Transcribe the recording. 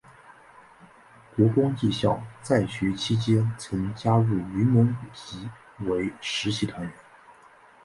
国光艺校在学期间曾加入云门舞集为实习团员。